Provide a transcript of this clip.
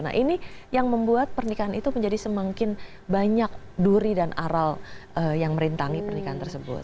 nah ini yang membuat pernikahan itu menjadi semakin banyak duri dan aral yang merintangi pernikahan tersebut